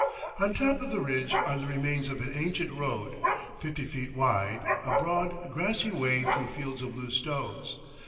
On top of the ridge are the remains of an ancient road, fifty feet wide, a broad grassy way through fields of loose stones.